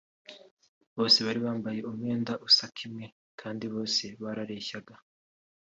bose bari bambaye umwenda usa kimwe kandi bose barareshyaga